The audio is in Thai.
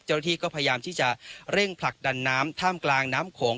เจ้าหน้าที่ก็พยายามที่จะเร่งผลักดันน้ำท่ามกลางน้ำโขง